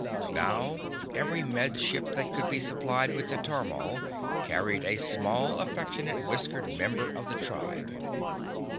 Now every Med Ship that could be supplied with a tormal carried a small, affectionate, whiskered member of the tribe.